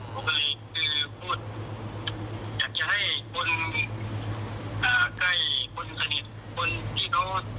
ก็เลยคืออยากจะให้คนใกล้คนสนิท